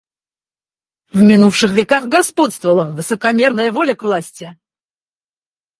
«В минувших веках господствовала высокомерная воля к власти.